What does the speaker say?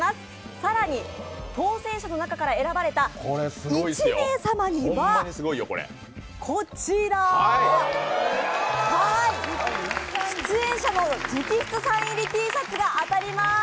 更に、当選者の中から選ばれた１名様にはこちら出演者の直筆サイン入りＴシャツが贈られます。